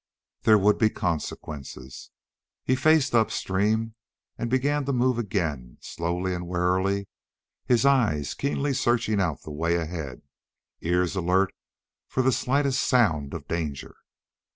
There would be consequences. He faced upstream and began to move again, slowly and warily, his eyes keenly searching out the way ahead, ears alert for the slightest sound of danger.